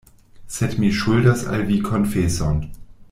Sed mi ŝuldas al vi konfeson.